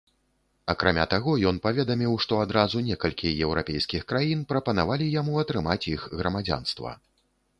Акрамя таго, ён паведаміў, што адразу некалькі еўрапейскіх краін прапанавалі яму атрымаць іх грамадзянства.